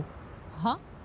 はっ？